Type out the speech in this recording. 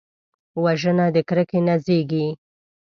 وژنه د کرکې نه زیږېږي